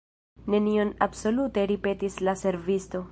"Nenion absolute!" ripetis la servisto.